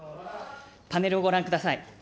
パネルをご覧ください。